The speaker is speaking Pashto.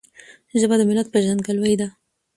ژبه د ملت پیژندګلوي ده.